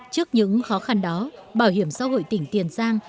trước những khó khăn đó bảo hiểm xã hội tỉnh tiền giang